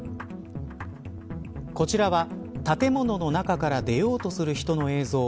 こちらは建物の中から出ようとする人の映像。